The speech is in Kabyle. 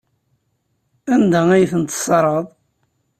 Anda ay ten-tesserɣeḍ?